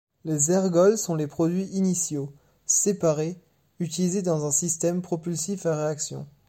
Les ergols sont les produits initiaux, séparés, utilisés dans un système propulsif à réaction.